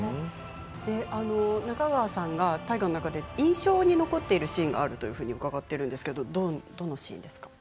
中川さんが大河の中で印象に残っているシーンがあると伺っています、どのシーンですか。